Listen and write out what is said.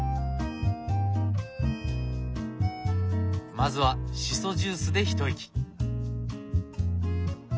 まずはしそジュースで一息。